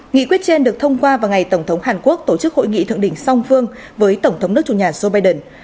nghị quyết trên được thông qua vào ngày tổng thống hàn quốc tổ chức hội nghị thượng đỉnh song phương với tổng thống nước chủ nhà joe biden